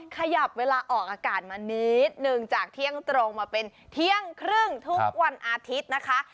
ขยับเวลาออกอากาศมานิดนึงจากเที่ยงตรงมาเป็นเที่ยงครึ่งทุกวันอาทิตย์นะคะ